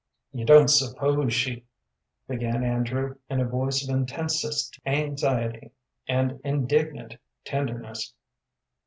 "You don't suppose she " began Andrew, in a voice of intensest anxiety and indignant tenderness.